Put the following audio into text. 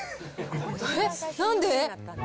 えっ、なんで？